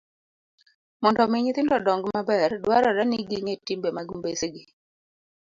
Mondo omi nyithindo odong maber, dwarore ni ging'e timbe mag mbesegi.